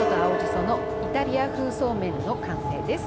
そのイタリア風そうめんの完成です。